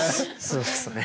そうですね。